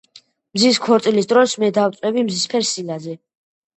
mzis qorwilis dros me davwvebi mzisfer silaze